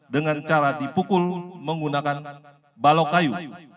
dengan cara dipukul menggunakan balok kayu